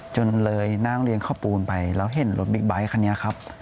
จนเลยนั่งเรียงข้อปูนไปแล้วเห็นรถบิ๊กไบท์คันนี้ครับ